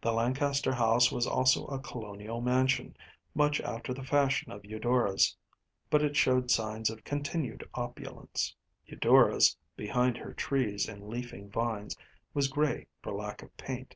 The Lancaster house was also a colonial mansion, much after the fashion of Eudora’s, but it showed signs of continued opulence. Eudora’s, behind her trees and leafing vines, was gray for lack of paint.